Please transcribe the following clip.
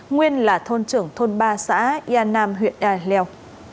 nguyên là thôn trưởng thôn ba xã yà nam huyện he leo